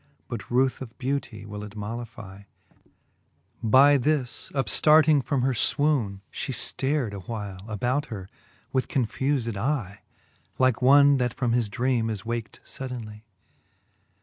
But ruth of beautie will it mollifie. By this upftarting from her fwoone, (he ftar'd A while about her with confufed eye j Like one, that from his drcame is waken fuddenlye.